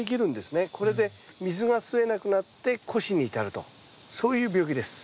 これで水が吸えなくなって枯死に至るとそういう病気です。